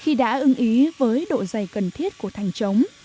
khi đã ưng ý với độ dày cần thiết của thành chống